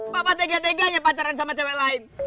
papa tega teganya pacaran sama cewek lain